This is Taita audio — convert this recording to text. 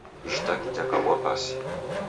Ishati jakabwa pasi